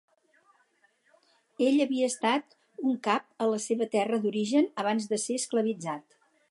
Ell havia estat un cap a la seva terra d'origen abans de ser esclavitzat.